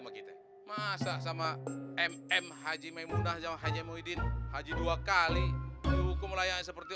begitu masa sama mm haji maimunah zaman haji muhyiddin haji dua kali dihukum layak seperti